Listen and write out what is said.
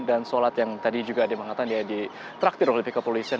dan sholat yang tadi juga dia mengatakan dia ditraktir oleh pihak kepolisian